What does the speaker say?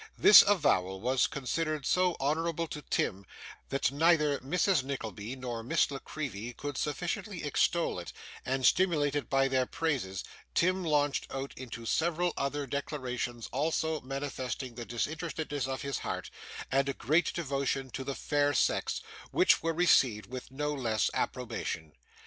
This avowal was considered so honourable to Tim, that neither Mrs. Nickleby nor Miss La Creevy could sufficiently extol it; and stimulated by their praises, Tim launched out into several other declarations also manifesting the disinterestedness of his heart, and a great devotion to the fair sex: which were received with no less approbation.